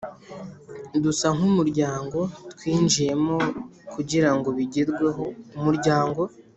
Dusa nk umuryango twinjiyemo kugirango bigerweho umuryango